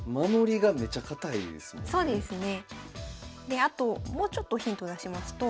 であともうちょっとヒントを出しますと。